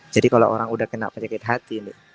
jadi kalau orang udah kena penyakit hati